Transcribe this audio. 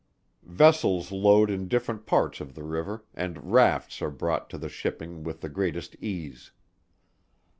Vessels load in different parts of the river, and rafts are brought to the shipping with the greatest ease.